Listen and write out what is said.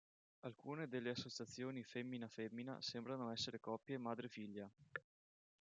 Alcune delle associazioni femmina-femmina sembrano essere coppie madre-figlia.